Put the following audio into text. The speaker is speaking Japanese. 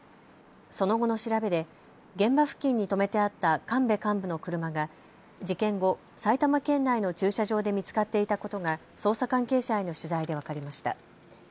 その後の調べで現場付近に止めてあった神部幹部の車が事件後、埼玉県内の駐車場で見つかっていたことが捜査関係者への取材で分かりました。